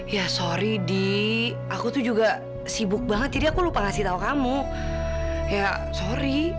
ya sorry di aku tuh juga sibuk banget jadi aku lupa ngasih tahu kamu ya sorry